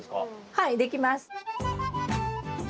はいできます。